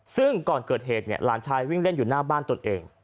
ซึ่งก่อนเกิดเหตุเนี่ยหลานชายวิ่งเล่นอยู่หน้าบ้านตนเอง